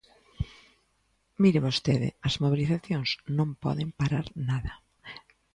Mire vostede, as mobilizacións non poden parar nada.